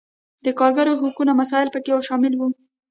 د کارګرو حقونو مسایل پکې شامل وو.